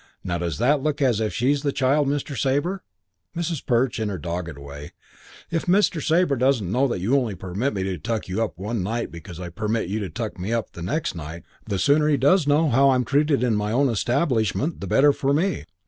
Now does that look as if she's the child, Mr. Sabre?" Mrs. Perch in her dogged way, "If Mr. Sabre doesn't know that you only permit me to tuck you up one night because I permit you to tuck me up the next night, the sooner he does know how I'm treated in my own establishment the better for me."